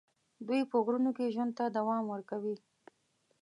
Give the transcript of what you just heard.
دوی په غرونو کې ژوند ته دوام ورکوي.